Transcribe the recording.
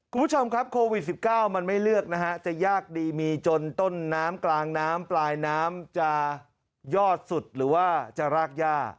คุณผู้ชมครับโควิด๑๙มันไม่เลือกนะฮะจะยากดีมีจนต้นน้ำกลางน้ำปลายน้ำจะยอดสุดหรือว่าจะรากย่า